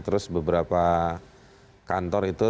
terus beberapa kantor itu